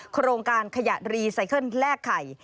โครงการขยะรีไซเคิลแลกไข่